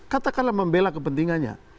katakanlah membela kepentingannya